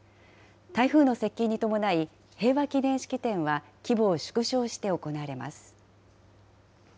台風の接近に伴い、平和祈念式典は規模を縮小して行われます。